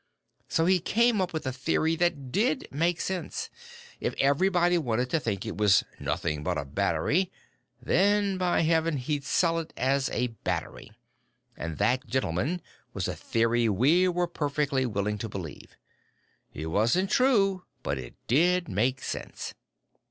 "So he came up with a theory that did make sense. If everyone wanted to think it was 'nothing but a battery', then, by Heaven, he'd sell it as a battery. And that, gentlemen, was a theory we were perfectly willing to believe. It wasn't true, but it did make sense.